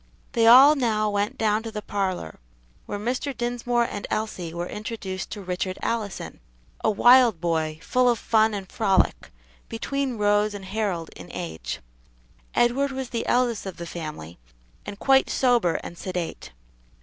They all now went down to the parlor, where Mr. Dinsmore and Elsie were introduced to Richard Allison, a wild boy full of fun and frolic, between Rose and Harold in age. Edward was the eldest of the family, and quite sober and sedate.